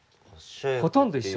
ほとんど一緒。